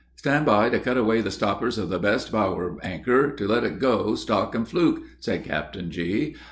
"Stand by, to cut away the stoppers of the best bower anchor to let it go, stock and fluke," said Captain G.